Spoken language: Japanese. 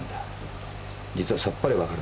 実はさっぱり分からない。